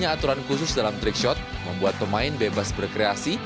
yang terkunci dalam trickshot membuat pemain bebas berkreasi